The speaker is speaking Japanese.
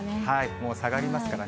もう下がりますからね。